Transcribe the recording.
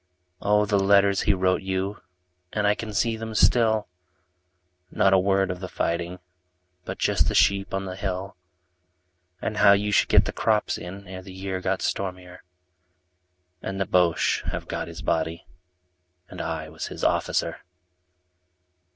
Oh, the letters he wrote you, And I can see them still. Not a word of the fighting But just the sheep on the hill And how you should get the crops in Ere the year got stormier, 40 And the Bosches have got his body. And I was his officer.